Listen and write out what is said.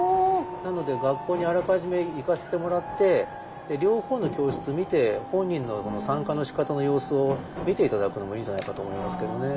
なので学校にあらかじめ行かせてもらって両方の教室見て本人の参加のしかたの様子を見て頂くのもいいんじゃないかと思いますけどね。